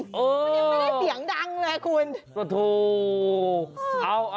มันยังไม่ได้เสียงดังเลยคุณ